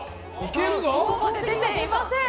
ここまで出ていません。